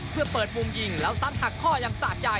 เพื่อเปิดมุมยิงแล้วซ้ำหักข้อยังสะใจ